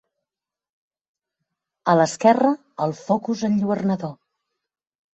A l'esquerra el focus enlluernador.